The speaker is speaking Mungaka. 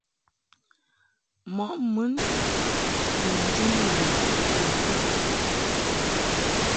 Mɔʼ mun ni njun ləm ni ŋkab .